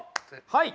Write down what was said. はい！